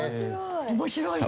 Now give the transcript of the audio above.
面白い。